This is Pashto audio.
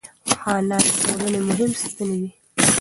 خانان د ټولنې مهم ستنې وې.